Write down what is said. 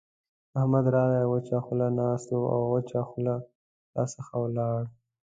احمد راغی؛ وچه خوله ناست وو او وچه خوله راڅخه ولاړ.